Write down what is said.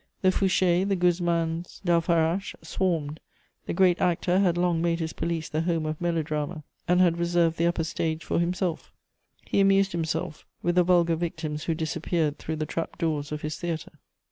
The Fouchés, the Guzmans d'Alfarache swarmed. The great actor had long made his police the home of melodrama and had reserved the upper stage for himself; he amused himself with the vulgar victims who disappeared through the trap doors of his theatre.